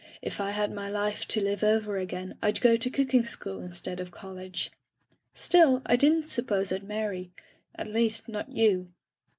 If I had my life to live over again Fd go to cooking school instead of college. Still, I didn't suppose I'd marry — at least, not you."